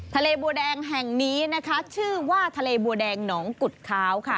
ทะเลบัวแดงแห่งนี้นะคะชื่อว่าทะเลบัวแดงหนองกุฎค้าวค่ะ